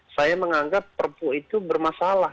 saya menganggap perpu itu bermasalah